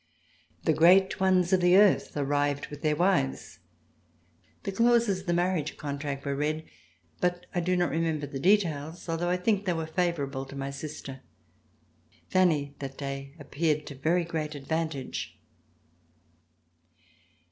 The great ones of the earth arrived with their wives. The clauses of the marriage contract were read, but I do not remember the details, although I think they were favorable to my sister. Fanny, that day, appeared to very great advantage.